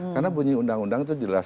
karena bunyi undang undang itu jelas